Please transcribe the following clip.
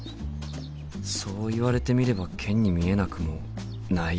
そう言われてみればケンに見えなくもないよな。